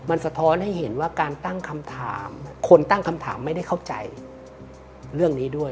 มันสะท้อนให้เห็นว่าการตั้งคำถามคนตั้งคำถามไม่ได้เข้าใจเรื่องนี้ด้วย